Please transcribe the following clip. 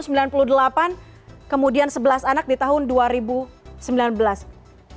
dugaan penyebabnya dari laporan meninggal dunia ini insiden yang menewaskan banyak anak ini disebabkan karena adanya kandungan deg pada obat